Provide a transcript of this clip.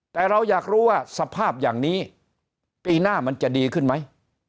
แต่เราอยากรู้ว่าสภาพอย่างนี้ปีหน้ามันจะดีขึ้นไหม